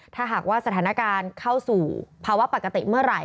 ถ้าหากว่าสถานการณ์เข้าสู่ภาวะปกติเมื่อไหร่